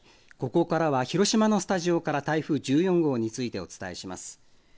ここからは広島のスタジオから台風１４号についてお伝えします。